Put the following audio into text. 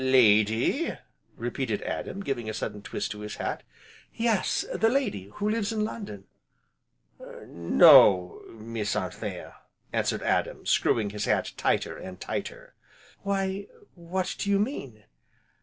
"Lady?" repeated Adam, giving a sudden twist to his hat. "Yes, the lady who lives in London?" "No, Miss Anthea," answered Adam, screwing his hat tighter, and tighter. "Why what do you mean?"